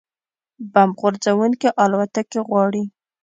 بمب غورځوونکې الوتکې غواړي